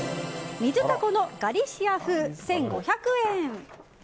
水タコのガリシア風、１５００円。